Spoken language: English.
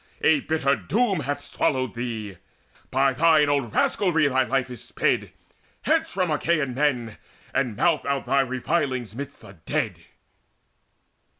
A bitter doom Hath swallowed thee: by thine own rascalry Thy life is sped. Hence from Achaean men, And mouth out thy revilings midst the dead!"